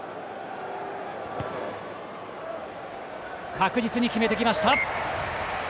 確実に決めてきました。